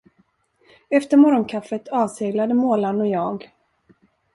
Efter morgonkaffet avseglade målarn och jag.